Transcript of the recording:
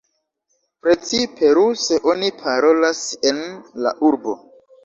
Precipe ruse oni parolas en la urbo.